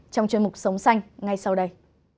trong chương mục sống xanh ngay sau đây